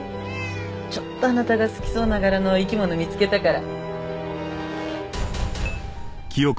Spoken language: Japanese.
ちょっとあなたが好きそうな柄の生き物見つけたから。